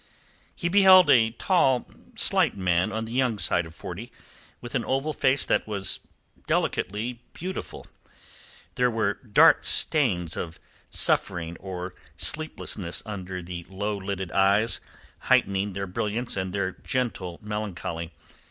He beheld a tall, slight man on the young side of forty, with an oval face that was delicately beautiful. There were dark stains of suffering or sleeplessness under the low lidded eyes, heightening their brilliance and their gentle melancholy.